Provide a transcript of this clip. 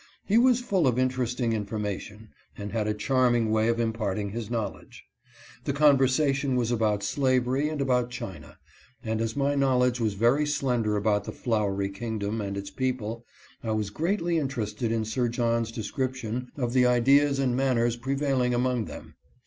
He was full of interesting information, and had a charming way of impart ing his knowledge. The conversation was about slavery and about China, and as my knowledge was very slender about the " Flowery Kingdom " and its people, I was greatly inter ested in Sir John's description of the ideas and manners prevailing among them.